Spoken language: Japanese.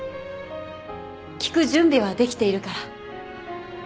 聴く準備はできているから。